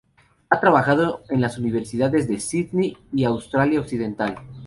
Ha trabajado en las universidades de Sídney y Australia Occidental.